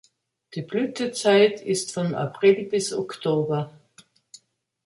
Die Blütezeit ist von April bis Oktober.